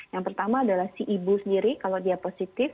yang pertama adalah si ibu sendiri kalau dia positif